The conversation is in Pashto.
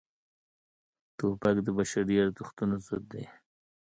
توپک د بشري ارزښتونو ضد دی.